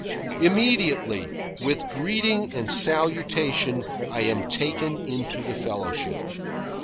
Immediately, with greeting and salutation, I am taken into the fellowship.